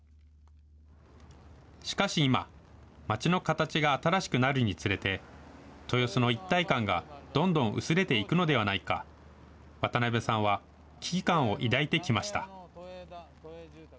しかし今、街の形が新しくなるにつれて、豊洲の一体感がどんどん薄れていくのではないか、渡辺さんは、危機感を抱いてきました。